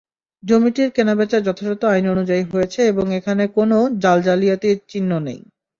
জমিটির কেনাবেচা যথাযথ আইন অনুযায়ী হয়েছে এবং এখানে কোনো জাল-জালিয়াতির চিহ্ন নেই।